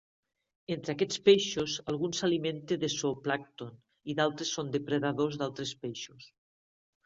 Entre aquests peixos, alguns s'alimenten de zooplàncton i d'altres són depredadors d'altres peixos.